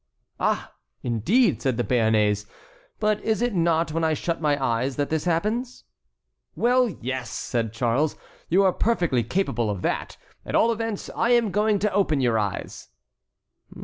"Ah, indeed," said the Béarnais, "but is it not when I shut my eyes that this happens?" "Well, yes!" said Charles, "you are perfectly capable of that. At all events, I am going to open your eyes."